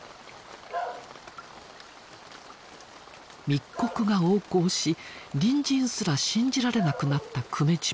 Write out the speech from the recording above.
密告が横行し隣人すら信じられなくなった久米島。